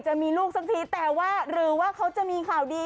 จะมีลูกสักทีแต่ว่าหรือว่าเขาจะมีข่าวดี